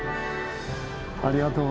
ありがとう。